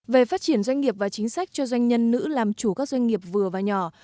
về phát triển doanh nghiệp và chính sách cho doanh nhân nữ làm chủ các doanh nghiệp vừa và nhỏ